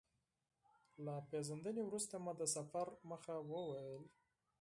له پېژندنې وروسته مې د سفر موخه وویل.